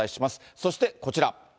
そしてこちら。